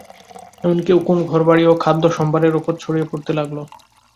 এমনকি উকুন ঘরবাড়ি ও খাদ্য-সম্ভারের উপর ছড়িয়ে পড়তে লাগল।